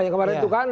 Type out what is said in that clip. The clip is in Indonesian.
yang kemarin itu kan